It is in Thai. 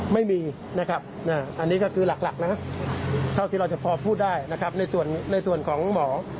ไม่มีนะครับอันนี้ก็คือหลักนะเท่าที่เราจะพอพูดได้นะครับในส่วนของหมอ